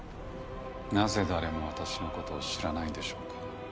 なぜ誰も私の事を知らないんでしょうか？